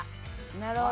なるほど。